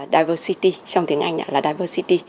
điều quan trọng là diversity